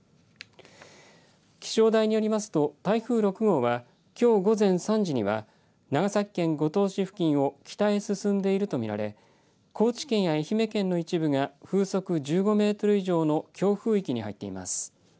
気象台によりますと、台風６号はきょう午前３時には長崎県五島市付近を北へ進んでいると見られ高知県や愛媛県の一部が風速１５メートル以上の強風域に入っています。